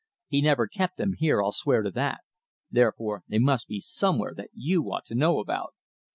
He never kept them here. I'll swear to that. Therefore they must be somewhere that you ought to know about."